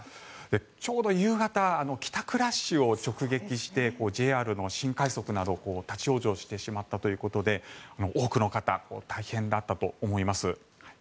ちょうど夕方帰宅ラッシュを直撃してＪＲの新快速など立ち往生してしまったということで多くの方、大変だったと思います。